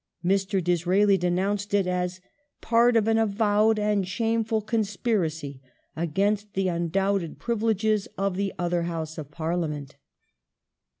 Mr. Disraeli denounced it as " part of an avowed and shameful conspiracy against the undoubted privileges of the other House of Pai'liament